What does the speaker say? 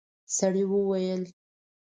سړي وويل: